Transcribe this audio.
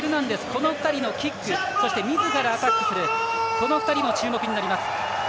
この２人のキックそして、みずからアタックするこの２人が注目になります。